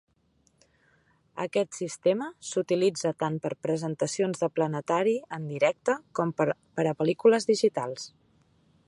Aquest sistema s'utilitza tant per presentacions de planetari en directe com per a pel·lícules digitals.